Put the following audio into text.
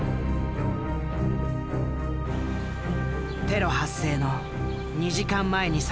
テロ発生の２時間前に遡ろう。